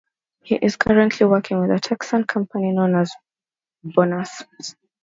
He is currently working with a Texan company known as Bonusxp.